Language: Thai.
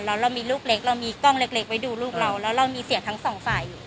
เรามีกล้องเล็กเลยดูลูกเราแล้วเรามีเสียงทั้ง๒ฝ่าย